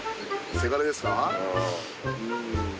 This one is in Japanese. せがれですか？